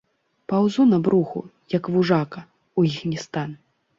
Паўзу на бруху, як вужака, у іхні стан.